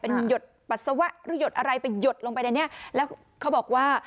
เป็นหยดปัสสาวะหรือหยดอะไรไปหยดลงไปในเนี้ยแล้วเขาบอกว่า